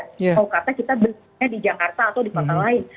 kalau kata kita bentuknya di jakarta atau di kota lain